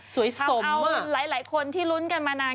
ทำว่าหลายหลายคนที่รุ้นกันมานาน